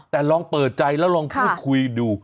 แต่ลองเปิดใจแล้วลองพูดคุยดู